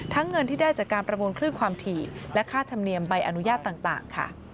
เงินที่ได้จากการประมูลคลื่นความถี่และค่าธรรมเนียมใบอนุญาตต่างค่ะ